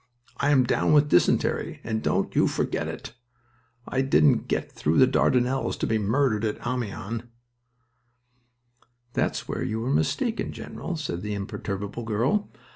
I am down with dysentery, and don't you forget it. I didn't get through the Dardanelles to be murdered at Amiens." "That's where you may be mistaken, general," said the imperturbable girl.